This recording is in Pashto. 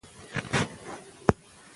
آیا تاریخ یوازي د تېرو پېښو بیان دی؟